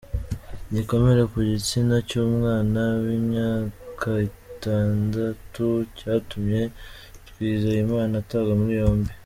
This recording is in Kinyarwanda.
Igikomere ku gitsina cy’umwana w’imyaka Itandatu cyatumye Twizeyimana atabwa muri yombi